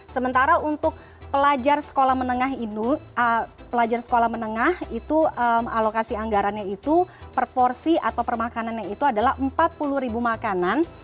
sementara untuk pelajar sekolah menengah itu alokasi anggarannya itu per porsi atau per makanannya itu adalah empat puluh ribu makanan